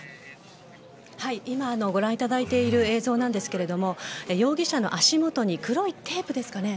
今ご覧いただいている映像ですが容疑者の足元に黒いテープですかね。